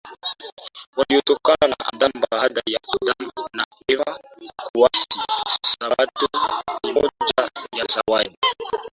waliotokana na Adam Baada ya Adam na Eva kuasi Sabato ni moja ya Zawadi